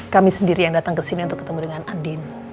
kami sendiri yang datang kesini untuk ketemu dengan andin